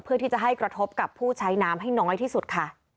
เพื่อที่จะให้กระทบกับผู้ใช้น้ำให้น้อยที่สุดค่ะ